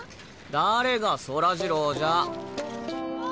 誰がそらジローじゃ。